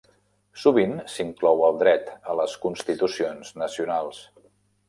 Sovint s'inclou el dret a les constitucions nacionals.